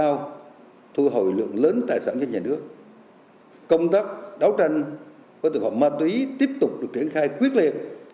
với tổng hợp ma túy tiếp tục được triển khai quyết liệt